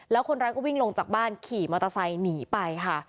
แล้วคนร้ายก็วิ่งลงจากบ้านขี่มอเตอร์ไซค์หนีไปค่ะ